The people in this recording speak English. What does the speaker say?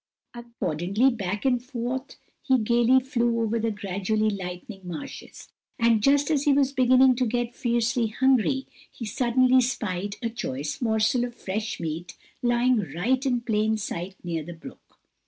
Accordingly, back and forth he gaily flew over the gradually lightening marshes. And just as he was beginning to get fiercely hungry, he suddenly spied a choice morsel of fresh meat lying right in plain sight near the brook.